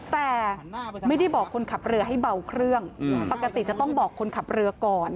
แต่ไม่ได้บอกคนขับเรือให้เบาเครื่องปกติจะต้องบอกคนขับเรือก่อน